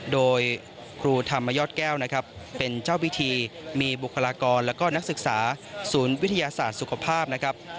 โดยครูธรรมยอดแก้วนะครับเป็นเจ้าพิธีมีบุคลากรแล้วก็นักศึกษาศูนย์วิทยาศาสตร์สุขภาพนะครับ